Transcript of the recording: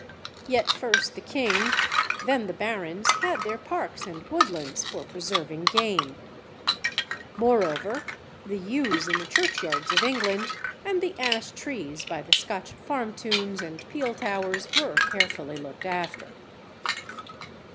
Yet first the King, then the Barons, had their parks and woodlands for preserving game. Moreover, the yews in the churchyards of England, and the ash trees by the Scotch farmtoons and peel towers, were carefully looked after.